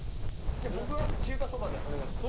僕は中華そばでお願いします。